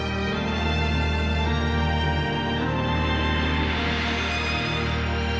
มันซังครบ